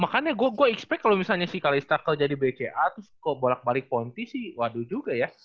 makanya gue expect kalo misalnya sih kalau istaka jadi bca terus kok bolak balik ponti sih waduh juga ya